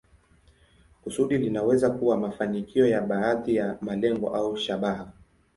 Kusudi linaweza kuwa mafanikio ya baadhi ya malengo au shabaha.